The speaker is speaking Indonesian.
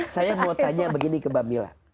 saya mau tanya begini ke mbak mila